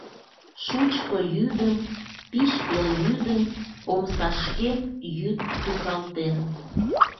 Шучко йӱдым, пич пелйӱдым, Омсашкем Йӱд тӱкалтен.